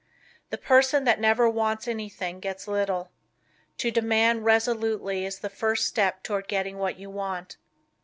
The person that never wants anything gets little. To demand resolutely is the first step toward getting what you want.